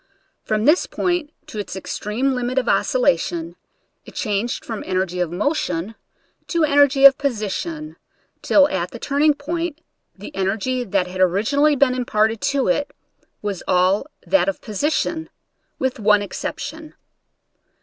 From this point to its extreme limit of oscillation it changed from energy of motion to energy of position, till at the turning point the energy that had originally been imparted to it was all that of position, with one exception.